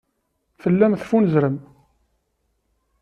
Tellam teffunzrem.